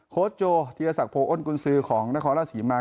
โค้ดโจธีรษักโพอ้นกุลซื้อของนครรศีมาร์